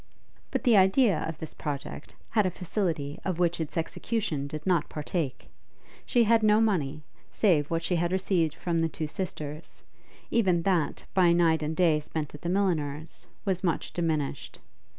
But the idea of this project had a facility of which its execution did not partake. She had no money, save what she had received from the two sisters; even that, by a night and day spent at the milliner's, was much diminished.